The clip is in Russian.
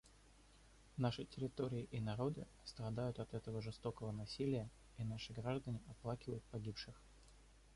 Наши территории и народы страдают от этого жестокого насилия, и наши граждане оплакивают погибших.